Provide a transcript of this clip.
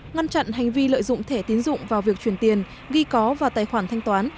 ngăn chặn hành vi lợi dụng thẻ tiến dụng vào việc truyền tiền ghi có vào tài khoản thanh toán